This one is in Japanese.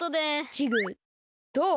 チグどう？